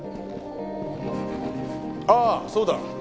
ああそうだ。